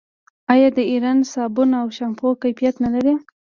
آیا د ایران صابون او شامپو کیفیت نلري؟